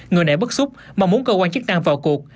người nãy bất xúc mong muốn cơ quan chức năng vào cuộc